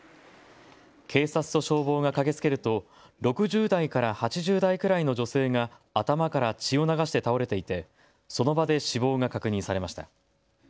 警察と消防が駆けつけると６０代から８０代くらいの女性が頭から血を流して倒れていてその場で死亡が確認されました。